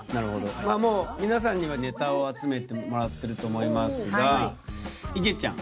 まぁもう皆さんにはネタを集めてもらってると思いますがいげちゃん